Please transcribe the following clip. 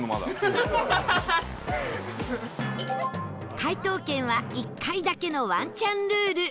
解答権は１回だけのワンチャンルール